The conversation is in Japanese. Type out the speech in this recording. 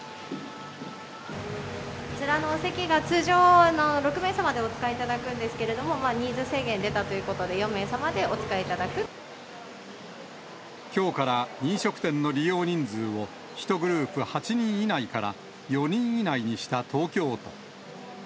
こちらのお席が通常、６名様でお使いいただくんですけれども、人数制限出たということで、きょうから飲食店の利用人数を、１グループ８人以内から、４人以内にした東京都。